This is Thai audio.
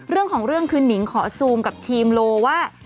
เรื่องของเรื่องคือนิงขอซูมกับทีมโลว่า